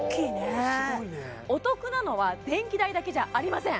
お得なのは電気代だけじゃありません